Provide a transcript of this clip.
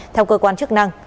theo cơ quan chức năng